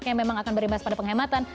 yang memang akan berimbas pada penghematan